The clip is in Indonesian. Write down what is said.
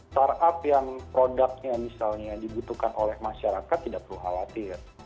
startup yang produknya misalnya dibutuhkan oleh masyarakat tidak perlu khawatir